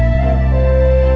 aku sudah semua